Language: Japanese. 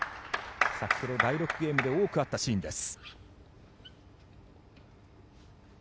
先ほど第６ゲームで多くあったシーンです。